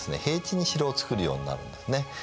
平地に城を造るようになるんですね。